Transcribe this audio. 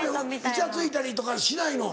イチャついたりとかしないの？